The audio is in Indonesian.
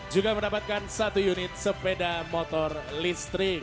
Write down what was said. juga mendapatkan satu unit sepeda motor listrik